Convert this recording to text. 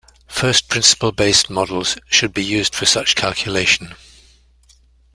First-principle based models should be used for such calculation.